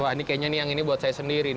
wah ini kayaknya yang ini buat saya sendiri